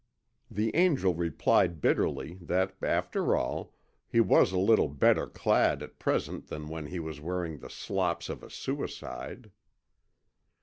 The Angel replied bitterly that, after all, he was a little better clad at present than when he was wearing the slops of a suicide.